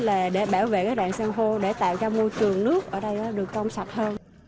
và để bảo vệ các rạng sang hô để tạo cho môi trường nước ở đây được công sạch hơn